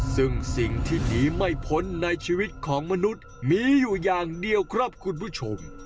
ซึ่งสิ่งที่หนีไม่พ้นในชีวิตของมนุษย์มีอยู่อย่างเดียวครับคุณผู้ชม